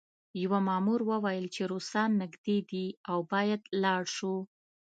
یوه مامور وویل چې روسان نږدې دي او باید لاړ شو